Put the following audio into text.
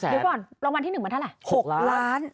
เดี๋ยวก่อนรางวัลที่๑มันเท่าไหร่๖ล้าน